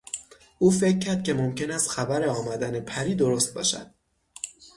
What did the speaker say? او فکر کرد که ممکن است خبر آمدن پری درست باشد.